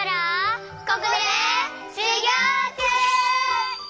ここでしゅぎょうちゅう！